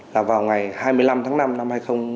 là vào ngày hai mươi năm tháng năm năm hai nghìn hai mươi ba